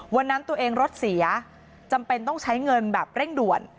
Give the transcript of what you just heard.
วันนั้นตัวเองรถเสียจำเป็นต้องใช้เงินแบบเร่งด่วน